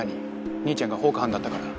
兄ちゃんが放火犯だったから？